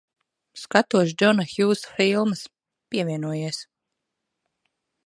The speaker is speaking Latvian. Skatos Džona Hjūsa filmas. Pievienojies.